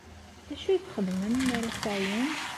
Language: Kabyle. D acu i txeddmem mi ara ad teɛyum?